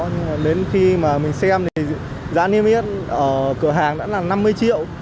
nhưng mà đến khi mà mình xem thì giá niêm yết ở cửa hàng đã là năm mươi triệu